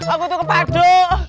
aku tuh kepadu